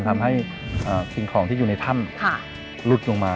ทำให้สิ่งของที่อยู่ในถ้ำหลุดลงมา